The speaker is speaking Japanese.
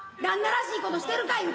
旦那らしいことしてるか？